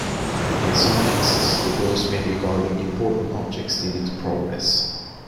In some cases, the ghosts may be guarding important objects needed to progress.